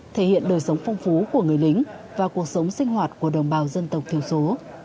thể hiện đời sống phong phú của người lính và cuộc sống sinh hoạt của đồng bào dân tộc thiểu số